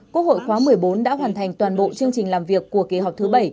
quốc hội khóa một mươi bốn đã hoàn thành toàn bộ chương trình làm việc của kỳ họp thứ bảy